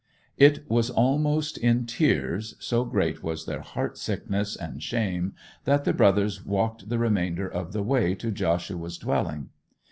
It was almost in tears, so great was their heart sickness and shame, that the brothers walked the remainder of the way to Joshua's dwelling.